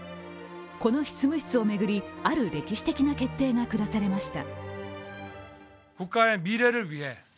この執務室を巡り、ある歴史的な決定が下されました。